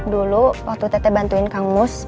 dulu waktu tete bantuin kang mus